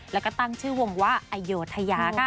แล้วก็ตั้งชื่อวงว่าอโยธยาค่ะ